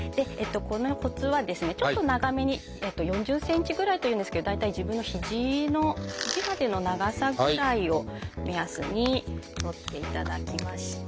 このコツはですねちょっと長めに４０ｃｍぐらいというんですけど大体自分のひじのひじまでの長さぐらいを目安に取っていただきまして。